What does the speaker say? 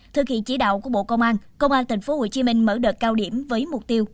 thưa khỉ chỉ đạo của bộ công an công an tp hcm mở đợt cao điểm với mục tiêu